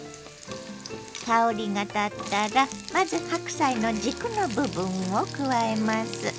香りが立ったらまず白菜の軸の部分を加えます。